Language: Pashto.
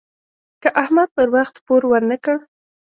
که احمد پر وخت پور ورنه کړ.